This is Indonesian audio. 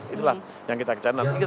itulah yang kita cari